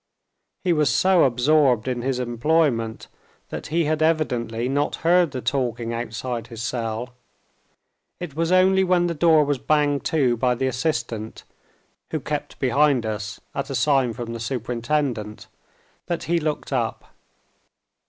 He was so absorbed in his employment that he had evidently not heard the talking outside his cell. It was only when the door was banged to by the assistant (who kept behind us, at a sign from the superintendent) that he looked up.